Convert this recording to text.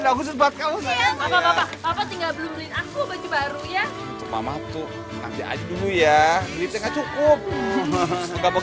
oke kita cariin semuanya